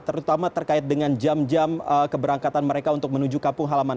terutama terkait dengan jam jam keberangkatan mereka untuk menuju kampung halaman